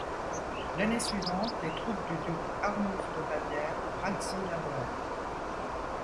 L'année suivante les troupes du duc Arnulf de Bavière razzient la Bohême.